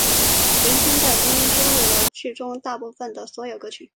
原声带中收录了剧中大部份的所有歌曲。